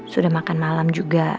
sudah makan malam juga